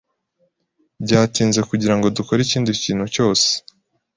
Byatinze kugirango dukore ikindi kintu cyose.